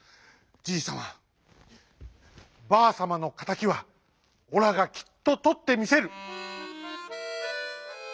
じいさまばあさまのかたきはオラがきっととってみせる！」。